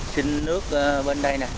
sinh nước bên đây